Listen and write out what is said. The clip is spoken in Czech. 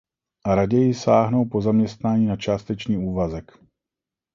A raději sáhnou po zaměstnání na částečný úvazek.